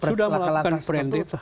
sudah melakukan preemptif